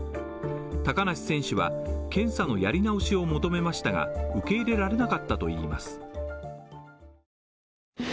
高梨選手は検査のやり直しを求めましたが受け入れられなかったといいます。